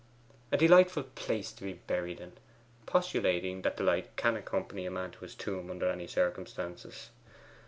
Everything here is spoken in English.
A delightful place to be buried in, postulating that delight can accompany a man to his tomb under any circumstances.